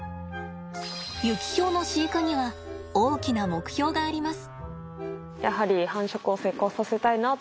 ユキヒョウの飼育には大きな目標があります。